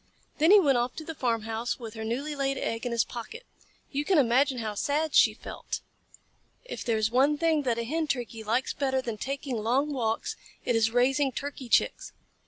Then he went off to the farmhouse with her newly laid egg in his pocket. You can imagine how sad she felt. If there is one thing that a Hen Turkey likes better than taking long walks, it is raising Turkey Chicks.